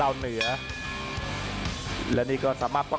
อัศวินาศาสตร์